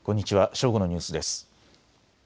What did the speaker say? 正午のニュースです。